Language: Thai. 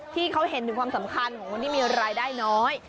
ที่เขาเห็นถึงความสำคัญของคนที่มีรายได้น้อย